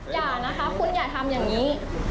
อย่านะคะคุณอย่าทำอย่างนี้